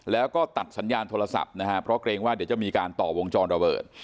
แล้วก็ตัดสัญญาณโทรศัพท์นะฮะเพราะเกรงว่าเดี๋ยวจะมีการต่อวงจรระเบิด